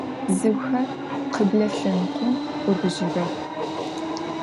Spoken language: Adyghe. Bzıuxer khıble lhenıkhom bıbıjığex.